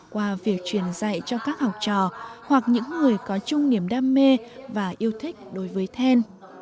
qua việc truyền dạy cho các học trò hoặc những người có chung niềm đam mê và yêu thích đối với then